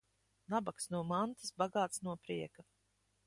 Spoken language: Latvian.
Nabags no mantas, bagāts no prieka.